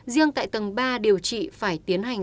riêng tại tầng ba điều trị phải tiến hành